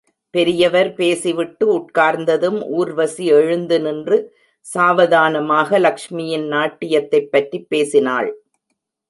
பெரியவர் பேசிவிட்டு உட்கார்ந்ததும் ஊர்வசி எழுந்து நின்று, சாவதானமாக, லக்ஷ்மியின் நாட்டியத்தைப் பற்றிப் பேசினாள்.